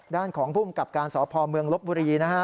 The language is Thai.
ด้านของผู้อำกับการสอบภอมเมืองลบบุรีนะฮะ